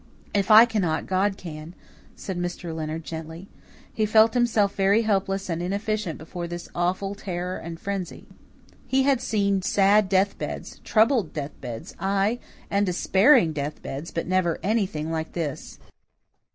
"If I cannot, God can," said Mr. Leonard gently. He felt himself very helpless and inefficient before this awful terror and frenzy. He had seen sad death beds troubled death beds ay, and despairing death beds, but never anything like this.